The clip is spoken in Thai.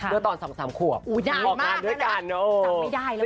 ด้วยตอนสามขวบพี่ออกงานด้วยกันจับไม่ได้แล้ว